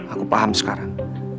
aku paham sekarang